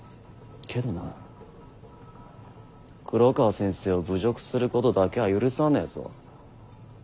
けどな黒川先生を侮辱することだけは許さねえぞ。